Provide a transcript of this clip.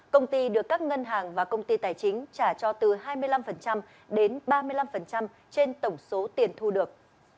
công ty được các ngân hàng và công ty tài chính trả cho từ hai mươi năm đến ba mươi năm trên tổng số tiền thu được